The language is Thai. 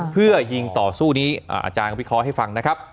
เพื่อยิงต่อสู้นี้อาจารย์วิเคราะห์ให้ฟังนะครับ